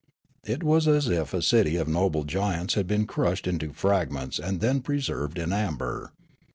It was as if a city of noble giants had been crushed into fragments and then preserved in amber.